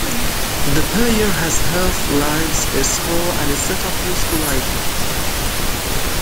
The player has health, lives, a score, and a set of useful items.